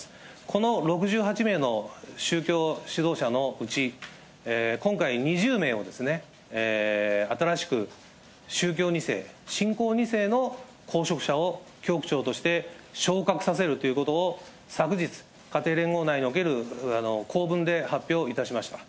この６８名の宗教指導者のうち、今回、２０名を新しく宗教２世、信仰２世の公職者を教区長として昇格させるということを昨日、家庭連合内における公文で発表いたしました。